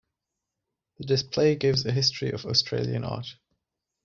The display gives a history of Australian art.